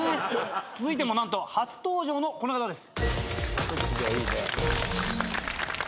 続いても何と初登場のこの方です。